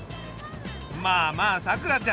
まあまあさくらちゃん